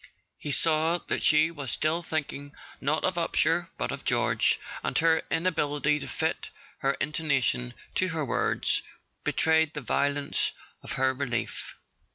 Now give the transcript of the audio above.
He saw that she was still thinking not of Upsher but of George, and her inability to fit her intonation to her words betrayed the violence of her relief.